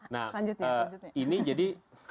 nah ini jadi